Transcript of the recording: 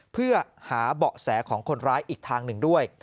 เพื่อหาเบาะแสของคนร้ายอีกทางหนึ่งด้วย